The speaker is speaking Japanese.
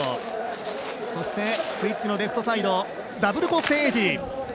そして、スイッチのレフトサイドダブルコーク１０８０。